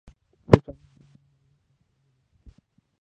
په څو چنده ګرانه بیه خرڅېدلې.